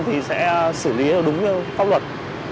thì sẽ xử lý được